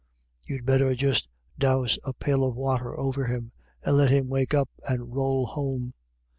You'd better just dowse a pail of water over him, and let him wake up and rowl home."